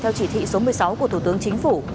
theo chỉ thị số một mươi sáu của thủ tướng chính phủ